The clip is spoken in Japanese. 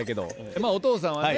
まあお父さんはね